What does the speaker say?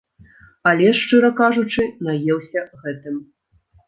Але, шчыра кажучы, наеўся гэтым.